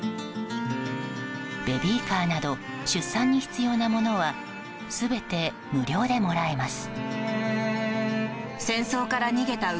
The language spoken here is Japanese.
ベビーカーなど出産に必要なものは全て無料でもらえます。